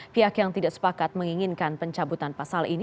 pihak yang tidak sepakat menginginkan pencabutan pasal ini